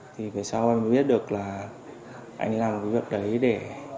thì về sau em mới biết được là anh làm cái việc đấy để